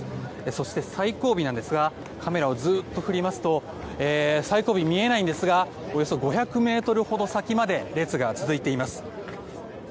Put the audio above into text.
そして、最後尾ですがカメラをずっと振りますと最後尾は見えないんですがおよそ５００ｍほど先まで列が続いています。